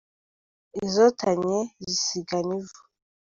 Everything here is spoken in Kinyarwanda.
Izotanye zisigana ivu.